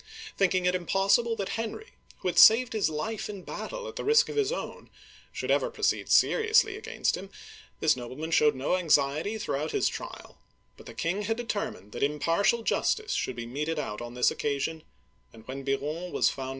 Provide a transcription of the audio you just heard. Thinking it im possible that Henry — who had saved his life in battle at the risk of his own — should ever proceed seriously against him, this nobleman showed no anxiety throughout his trial; but the king had determined that impartial justice should be meted out on this occasion, and when Biron was found Digitized by Google HENRY IV.